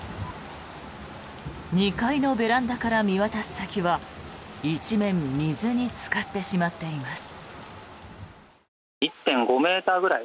２階のベランダから見渡す先は一面水につかってしまっています。